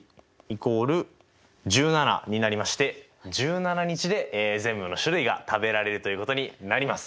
１７日で全部の種類が食べられるということになります。